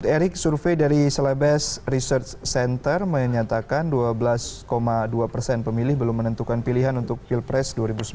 erick survei dari celebes research center menyatakan dua belas dua persen pemilih belum menentukan pilihan untuk pilpres dua ribu sembilan belas